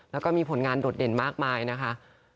แล้วก็มีผลงานโดดเด่นมากมายนะคะ